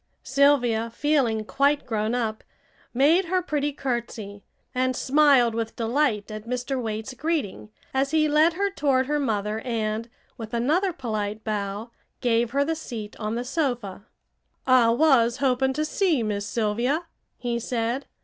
Sylvia, feeling quite grown up, made her pretty curtsey, and smiled with delight at Mr. Waite's greeting, as he led her toward her mother and, with another polite bow, gave her the seat on the sofa. "I was hoping to see Miss Sylvia," he said.